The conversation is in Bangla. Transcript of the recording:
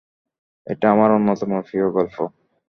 এটা আমার অন্যতম প্রিয় গল্প।